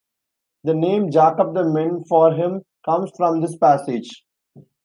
The name "Jacob the Min" for him comes from this passage.